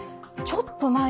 ちょっと。